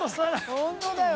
本当だよ